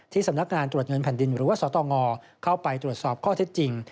สำนักงานตรวจเงินแผ่นดินหรือว่าสตงเข้าไปตรวจสอบข้อเท็จจริง